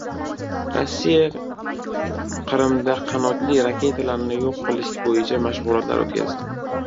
Rossiya Qrimda qanotli raketalarni yo‘q qilish bo‘yicha mashg‘ulotlar o‘tkazdi